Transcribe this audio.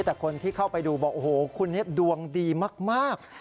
แต่คนที่เข้าไปดูบอกโอ้โหคนนี้ดวงดีมาก